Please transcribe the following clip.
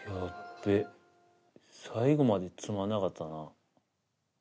べえ最後までつまんなかったな。